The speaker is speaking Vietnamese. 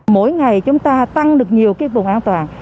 mỗi ngày chúng ta tăng được nhiều cái vùng an toàn